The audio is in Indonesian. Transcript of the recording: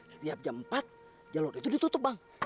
setiap jam empat jalur itu ditutup bang